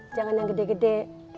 jangan yang gede gede